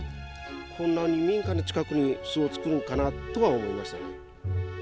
こんなに民家の近くに巣を作るのかなとは思いましたね。